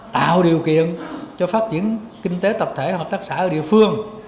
tạo điều kiện cho phát triển kinh tế tập thể hợp tác xã ở địa phương